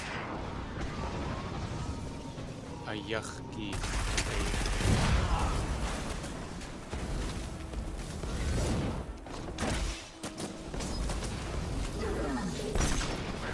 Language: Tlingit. A yáx̲ geeltlʼéitʼ!